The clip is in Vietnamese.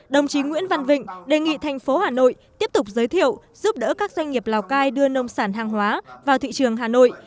đồng chí nguyễn văn vịnh đề nghị thành phố hà nội tiếp tục giới thiệu giúp đỡ các doanh nghiệp lào cai đưa nông sản hàng hóa vào thị trường hà nội